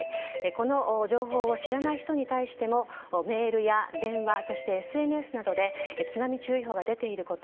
この情報を知らない人に対してもメールや電話、ＳＮＳなどで津波注意報が出ていること